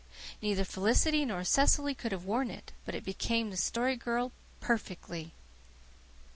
Neither Felicity nor Cecily could have worn it; but it became the Story Girl perfectly.